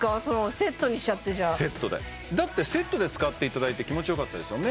セットにしちゃってじゃあだってセットで使っていただいて気持ちよかったですよね？